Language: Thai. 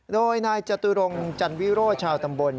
โดยนายจตุรงจันวิโรชาวตำบล